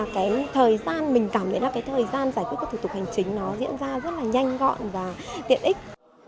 cái thời gian mình cảm nhận là cái thời gian giải quyết các thủ tục hành chính nó diễn ra rất là nhanh gọn và tiện ích